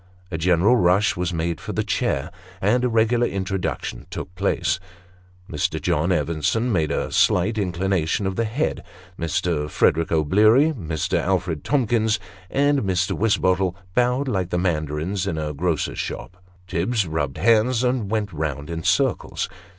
A general rush was made for a chair, and a regular introduction took place. Mr. John Evenson made a slight inclination of the head ; Mr. Frederick O'Bleary, Mr. Alfred Tomkins, and Mr. Wisbottle, bowed like the mandarins in a grocer's shop ; Tibbs rubbed hands, and went round in circles.